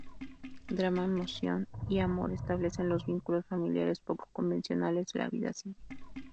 Drama, emoción y amor establecen los vínculos familiares poco convencionales de La Vida Sigue.